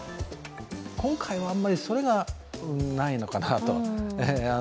今回はあまり、それがないのかなと。